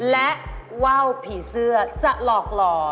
และว่าวผีเสื้อจะหลอกหล่อ